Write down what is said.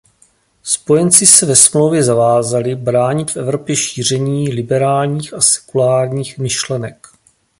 Spojenci se ve smlouvě zavázali bránit v Evropě šíření liberálních a sekulárních myšlenek.